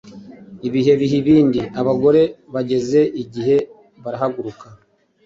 Ibihe biha ibindi! Abagore bageze igihe barahaguruka,